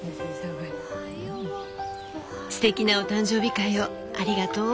すてきなお誕生日会をありがとう。